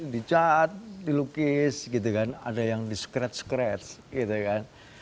dicat dilukis gitu kan ada yang di scratch scratch gitu kan